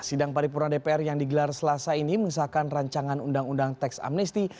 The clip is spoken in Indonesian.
sidang paripurna dpr yang digelar selasa ini mengisahkan rancangan undang undang teks amnesti